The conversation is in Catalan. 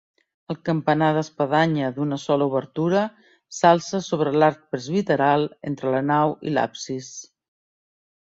El campanar d'espadanya d'una sola obertura s'alça sobre l'arc presbiteral, entre la nau i l'absis.